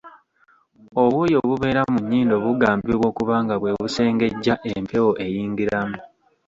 Obwoya obubeera mu nnyindo bugambibwa okuba nga bwe busengejja empewo eyingiramu.